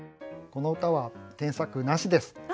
この歌は添削なしです。